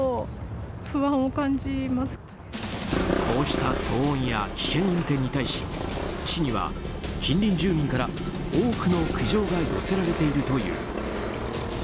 こうした騒音や危険運転に対し市には近隣住民から多くの苦情が寄せられているという。